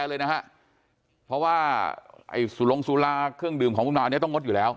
เลยนะฮะเพราะว่าไอ้สุลงสุราเครื่องดื่มของคุณมาอันนี้ต้องงดอยู่แล้ว